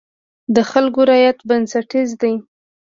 د خلکو رضایت بنسټیز دی.